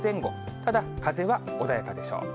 ただ風は穏やかでしょう。